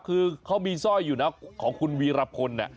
คือเขามีสร้อยอยู่นะของคุณวีรพล